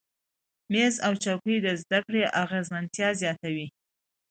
میز او چوکۍ د زده کړې اغیزمنتیا زیاتوي.